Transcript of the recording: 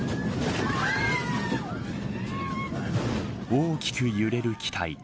大きく揺れる機体。